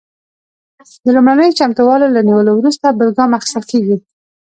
د لومړنیو چمتووالو له نیولو وروسته بل ګام اخیستل کیږي.